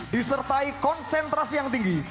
disertai konsentrasi yang tinggi